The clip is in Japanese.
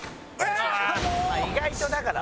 意外とだから。